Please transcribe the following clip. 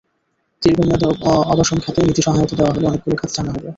দীর্ঘ মেয়াদে আবাসন খাতে নীতিসহায়তা দেওয়া হলে অনেকগুলো খাত চাঙা হবে।